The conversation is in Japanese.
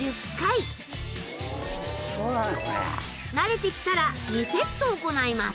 慣れて来たら２セット行います。